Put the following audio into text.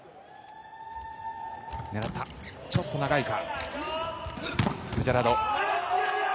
狙った、ちょっと長いか。